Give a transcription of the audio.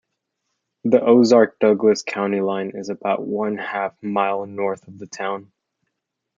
The Ozark-Douglas county line is about one-half mile north of the town.